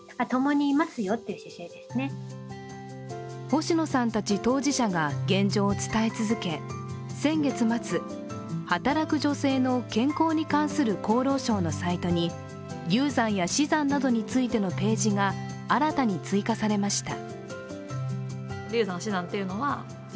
星野さんたち当事者が現状を伝え続け先月末、働く女性の健康に関する厚労省のサイトに流産や死産などについてのページが新たに追加されました。